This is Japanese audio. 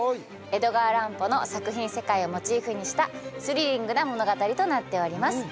江戸川乱歩の作品世界をモチーフにしたスリリングな物語となっております